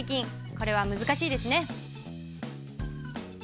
これは難しいですね。